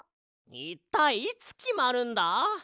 いったいいつきまるんだ？